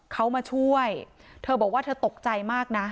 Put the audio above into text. เขามาช่วยเธอบอกว่าเธอตกใจมากนะ